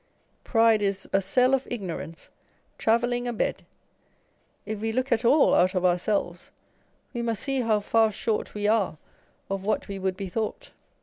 Pride is " a cell of ignorance ; travelling a bed." If we look at all out of ourselves, we must see how far short we are of what we would be thought.